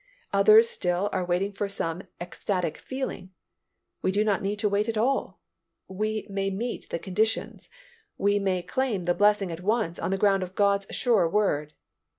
Others still are waiting for some ecstatic feeling. We do not need to wait at all. We may meet the conditions, we may claim the blessing at once on the ground of God's sure Word.